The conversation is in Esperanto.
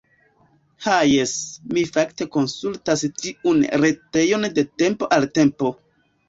Ha jes, mi fakte konsultas tiun retejon de tempo al tempo.